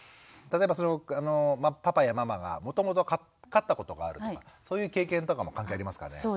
例えばパパやママがもともと飼ったことがあるとかそういう経験とかも関係ありますかね？